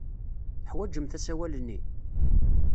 Teḥwajemt asawal-nni?